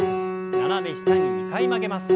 斜め下に２回曲げます。